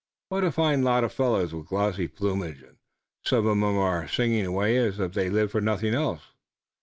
What a fine lot of fellows with glossy plumage! And some of 'em are singing away as if they lived for nothing else!"